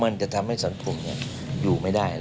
ของทั้งสองท่าน